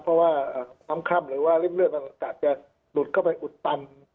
เพราะว่าน้ำค่ำหรือว่าริ่มเลือดต่างจะหลุดเข้าไปอุดตัน